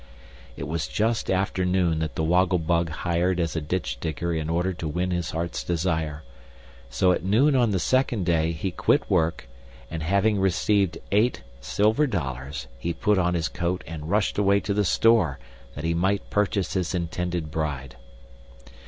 It was just after noon that the Woggle Bug hired as a ditch digger in order to win his heart's desire; so at noon on the second day he quit work, and having received eight silver dollars he put on his coat and rushed away to the store that he might purchase his intended bride.